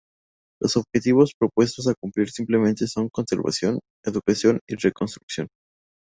Los objetivos propuestos a cumplir simplemente son conservación, educación y reconstrucción.